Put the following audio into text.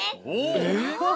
えっ？